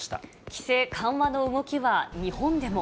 規制緩和の動きは、日本でも。